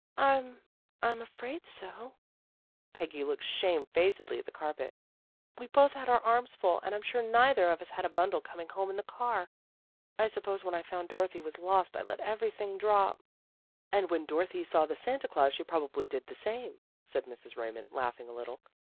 " "I'm I'm afraid so." Peggy looked shamed facedly at the carpet. " We both had our arms full, and I'm sure neither of us had a bundle coming home in the car. I suppose when I found Dorothy was lost, I let every thing drop." DOROTHY GOES SHOPPING 201 " And when Dorothy saw the Santa Glaus she probably did the same," said Mrs. Ray mond, laughing a little.